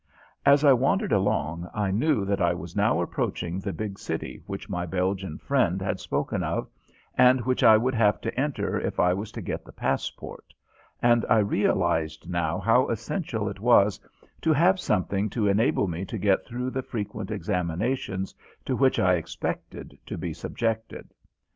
As I wandered along I knew that I was now approaching the big city which my Belgian friend had spoken of and which I would have to enter if I was to get the passport, and I realized now how essential it was to have something to enable me to get through the frequent examinations to which I expected to be subjected.